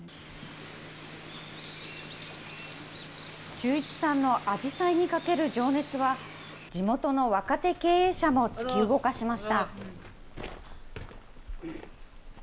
忠一さんのあじさいにかける情熱は、地元の若手経営者も突き動かしました。